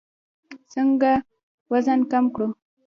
څنګه وزن کم کړو؟